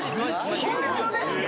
ホントですか？